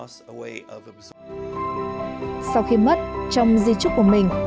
sau khi mất trong di trúc của mình